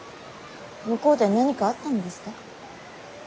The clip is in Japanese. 向こうで何かあったのですか。